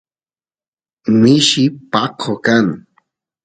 mishi paqo kan